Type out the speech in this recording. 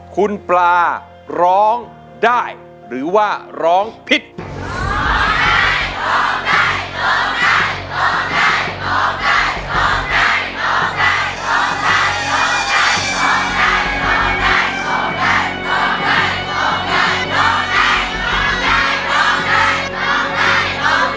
ร้องใจร้องใจร้องใจร้องใจ